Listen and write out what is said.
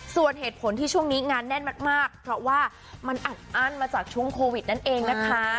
ส่วนเหตุผลที่ช่วงนี้งานแน่นมากเพราะว่ามันอัดอั้นมาจากช่วงโควิดนั่นเองนะคะ